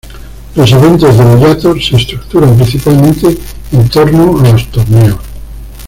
Los eventos de Bellator se estructuran principalmente en torno a los torneos.